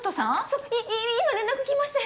そうい今連絡来まして。